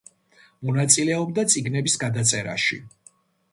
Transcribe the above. მონაწილეობდა წიგნების გადაწერაში.